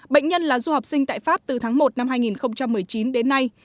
bệnh nhân là du học sinh tại pháp từ tháng một năm hai nghìn một mươi chín đến nay